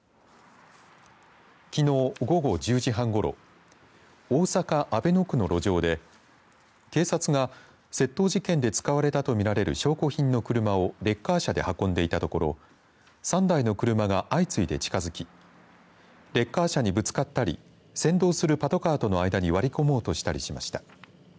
きのう午後１０時半ごろ大阪、阿倍野区の路上で警察が窃盗事件で使われたとみられる証拠品の車をレッカー車で運んでいたところ３台の車が相次いで近づきレッカー車にぶつかったり先導するパトカーとの間に割り込もうとしたりしました。